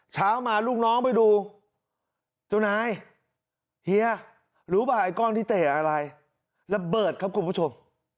เช้ามาลูกน้องไปดูเจ้านายเฮียรู้ป่ะไอ้ก้อนที่เตะอะไรระเบิดครับคุณผู้ชม